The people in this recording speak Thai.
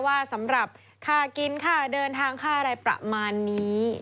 สำหรับค่ากินค่าเดินทางค่าอะไรประมาณนี้